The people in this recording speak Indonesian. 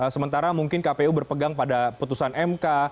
sementara mungkin kpu berpegang pada putusan mk